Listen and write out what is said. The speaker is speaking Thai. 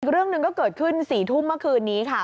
เรื่องหนึ่งก็เกิดขึ้น๔ทุ่มเมื่อคืนนี้ค่ะ